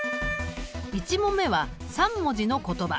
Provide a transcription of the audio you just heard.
１問目は３文字の言葉。